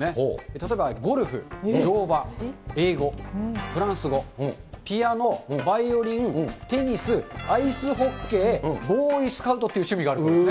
例えばゴルフ、乗馬、英語、フランス語、ピアノ、バイオリン、テニス、アイスホッケー、ボーイスカウトという趣味があるんですね。